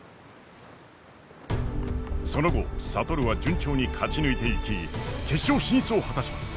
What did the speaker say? その後智は順調に勝ち抜いていき決勝進出を果たします。